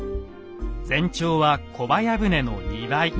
全長は小早船の２倍。